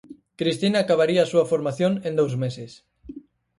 Cristina acabaría a súa formación en dous meses.